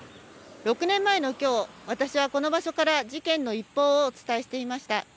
６年前のきょう、私はこの場所から事件の一報をお伝えしていました。